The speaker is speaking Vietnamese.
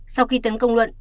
sau khi tấn công luận